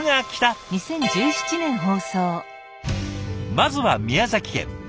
まずは宮崎県。